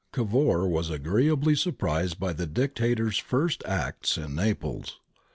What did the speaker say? ^ Cavour was agreeably surprised by the Dictator's first acts in Naples.